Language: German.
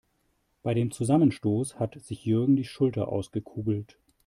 Bei dem Zusammenstoß hat sich Jürgen die Schulter ausgekugelt.